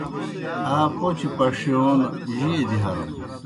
آ پوْچہ پݜِیون جیئے دیْ ہرَم؟